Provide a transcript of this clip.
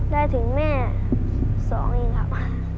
ได้ถึงแม่๒อย่างนั้นครับ